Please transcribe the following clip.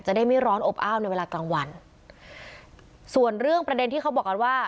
ได้ไม่ร้อนอบอ้าวในเวลากลางวันส่วนเรื่องประเด็นที่เขาบอกกันว่า